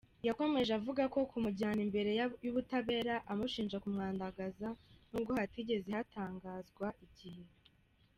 Yakomeje avuga ko agomba kumujyana imbere y’ubutabera amushinja kumwandagaza nubwo hatigeze hatangazwa igihe.